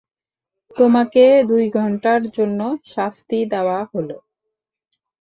তোমাকে দুই ঘণ্টার জন্য শাস্তি দেওয়া হলো।